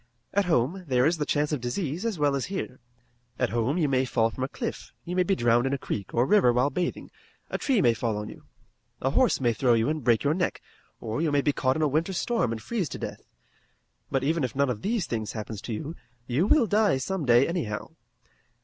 At home there is the chance of disease as well as here. At home you may fall from a cliff, you may be drowned in a creek or river while bathing, a tree may fall on you, a horse may throw you and break your neck, or you may be caught in a winter storm and freeze to death. But even if none of these things happens to you, you will die some day anyhow.